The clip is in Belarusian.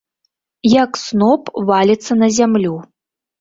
Як сноп валіцца на зямлю.